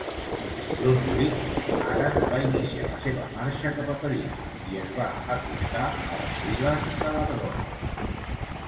Brunswick ara va iniciar la seva marxa cap a París i es va acostar a les files de l'Argonne.